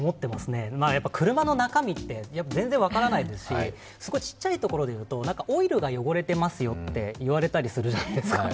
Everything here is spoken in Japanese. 車の中身って、全然分からないですし、すごい小さいところでいうとオイルが汚れていますよといわれているじゃないですか。